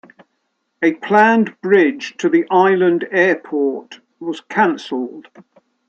A planned bridge to the Island Airport was cancelled.